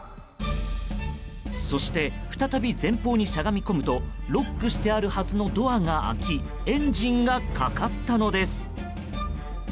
そして再び前方にしゃがみ込むとロックしてあるはずのドアが開きエンジンがかかったのです。